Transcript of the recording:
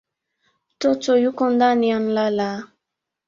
Mtoto yuko ndani anlala